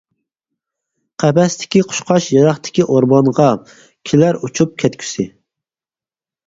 قەپەستىكى قۇشقاچ يىراقتىكى ئورمانغا، كېلەر ئۇچۇپ كەتكۈسى.